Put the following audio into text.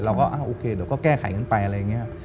เราก็โอเคเดี๋ยวก็แก้ไขกันไปอะไรอย่างนี้